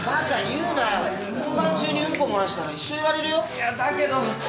いやだけど。